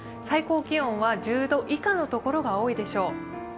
最高気温は１０度以下のところが多いでしょう。